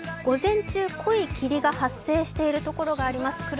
午前中、濃い霧が発生しているところがあります。